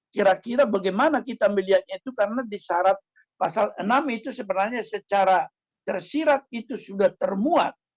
kira kira bagaimana kita melihatnya itu karena di syarat pasal enam itu sebenarnya secara tersirat itu sudah termuat